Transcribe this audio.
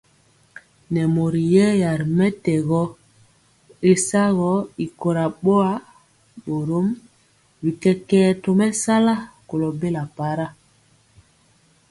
Nɛ mori yɛya ri mɛtɛgɔ y sagɔ y kora boa, borom bi kɛkɛɛ tomesala kolo bela para.